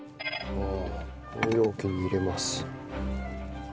これを容器に入れます。